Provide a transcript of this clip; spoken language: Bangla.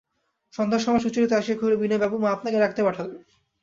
সন্ধ্যার সময় সুচরিতা আসিয়া কহিল, বিনয়বাবু, মা আপনাকে ডাকতে পাঠালেন।